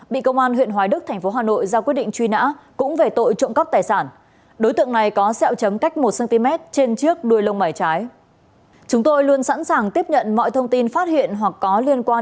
bị công an huyện hoài đức tp hà nội ra quyết định truy nã cũng về tội trộm cắp tài sản